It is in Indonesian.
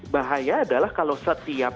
bahaya adalah kalau setiap